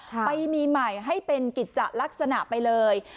ไปมีใหม่ให้เป็นกิจจะลักษณะไปเลย